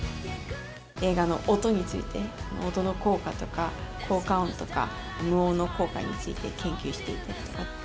映画の音について、音の効果とか効果音とか、無音の効果について研究していたり。